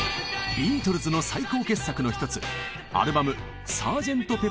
ビートルズの最高傑作の一つ